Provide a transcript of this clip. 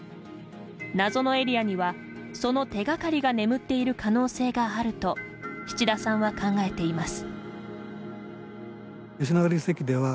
謎のエリアには、その手がかりが眠っている可能性があると七田さんは考えています。